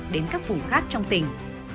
đến các vùng khác trong tỉnh